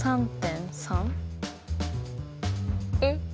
えっ？